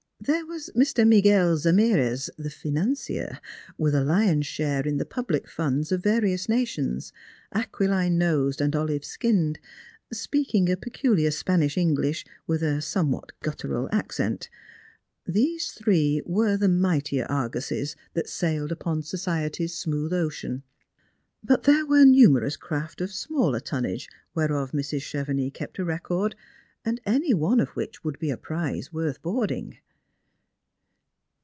There was Mr. Miguel Zumires, the financier, with a lion's share in the public funds of various nations, aquiline nosed and olive skinned, sjDeaking a pecuhar Spanish English with a somewhat guttural accent. These three were the mightier argosies that «ailed upon society's smooth ocean ; but there were numerous Strangers and Filgrinti. 85 craft of smaller touuage whereof Mrs. Chevenix kept a record, and any one of which would be a prize worth Doarding.